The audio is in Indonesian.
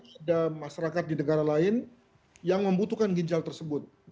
ada masyarakat di negara lain yang membutuhkan ginjal tersebut